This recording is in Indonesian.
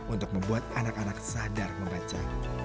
untuk membuat anak anak sadar membaca